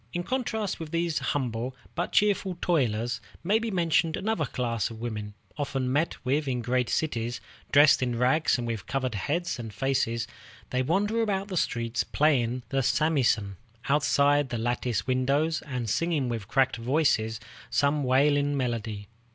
In contrast with these humble but cheerful toilers may be mentioned another class of women, often met with in the great cities. Dressed in rags and with covered heads and faces, they wander about the streets playing the samisen outside the latticed windows, and singing with cracked voices some wailing melody.